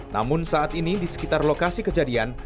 namun saat ini di sekitar lokasi kejadian